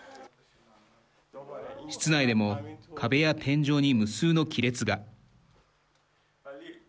室内でも壁や天井に無数の亀裂が。